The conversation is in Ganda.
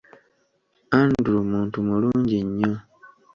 Andrew muntu mulungi nnyo.